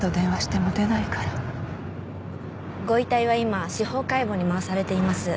ご遺体は今司法解剖に回されています。